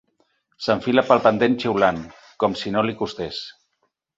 S'enfila pel pendent xiulant, com si no li costés.